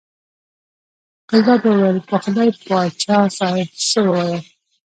ګلداد وویل: په خدای پاچا صاحب څه ووایم.